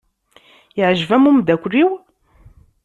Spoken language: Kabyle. Iɛjeb-am umeddakel-iw?